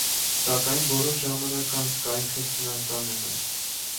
Սակայն որոշ ժամանակ անց կայքը սնանկանում է.։